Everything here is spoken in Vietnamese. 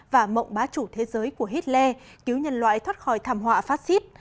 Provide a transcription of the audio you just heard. và mộng bá chủ thế giới của hitler cứu nhân loại thoát khỏi thảm họa fascist